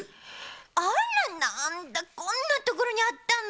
あらなんだこんなところにあったの？